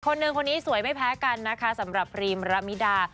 คนหนึ่งคนนี้สวยไม่แพ้กันนะคะสำหรับพรีมระมิดา